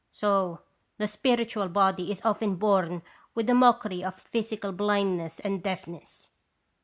So the spiritual body is often born with a mockery of physical blindness and deafness."